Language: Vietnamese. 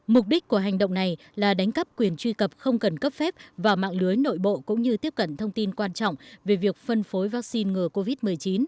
mục đích của hành động này là đánh cắp quyền truy cập không cần cấp phép vào mạng lưới nội bộ cũng như tiếp cận thông tin quan trọng về việc phân phối vaccine ngừa covid một mươi chín